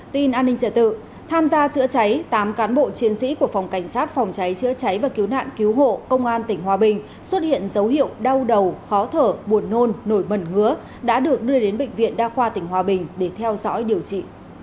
tin an ninh trợ tự tham gia chữa cháy tám cán bộ chiến sĩ của phòng cảnh sát phòng cháy chữa cháy và cứu nạn cứu hộ công an tỉnh hòa bình xuất hiện dấu hiệu đau đầu khó thở buồn nôn nổi mẩn ngứa đã được đưa đến bệnh viện đa khoa tỉnh hòa bình để theo dõi điều trị